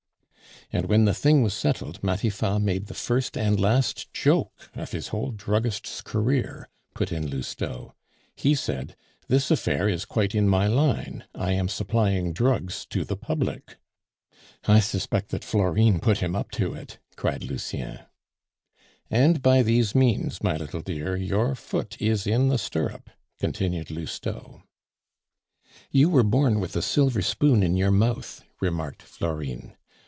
"And when the thing was settled, Matifat made the first and last joke of his whole druggist's career," put in Lousteau. "He said, 'This affair is quite in my line; I am supplying drugs to the public.'" "I suspect that Florine put him up to it," cried Lucien. "And by these means, my little dear, your foot is in the stirrup," continued Lousteau. "You were born with a silver spoon in your mouth," remarked Florine.